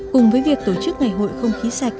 cùng với việc tổ chức ngày hội không khí sạch